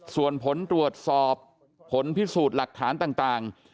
ส่วนผลตรวจสอบผลพิสูจน์หลักฐานต่าง